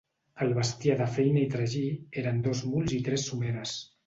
El bestiar de feina i tragí eren dos muls i tres someres.